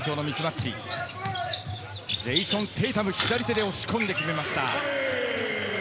ジェイソン・テイタム、左手で押し込んで、決めました。